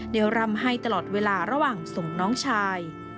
ร่ำให้ตลอดเวลาระหว่างส่งน้องชาย